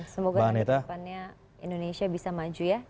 semoga persiapannya indonesia bisa maju ya